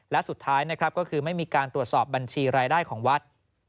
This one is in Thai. และสุดท้ายนะครับก็คือไม่มีการตรวจสอบบัญชีรายได้ของวัด